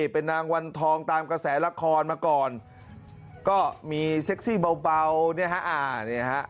เป็นนางวันทองตามกระแสละครมาก่อนก็มีเซ็กซี่เบาเนี่ยฮะอ่าเนี่ยฮะ